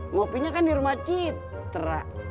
ngopinya kan di rumah citra